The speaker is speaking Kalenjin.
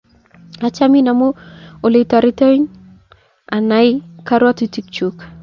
Achomin amun aleiotoretiton anai karwotutik chuk.